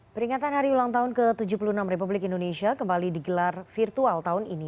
peringatan hari ulang tahun ke tujuh puluh enam republik indonesia kembali digelar virtual tahun ini